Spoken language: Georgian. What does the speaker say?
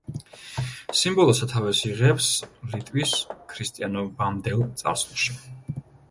სიმბოლო სათავეს იღებს ლიტვის ქრისტიანობამდელ წარსულში.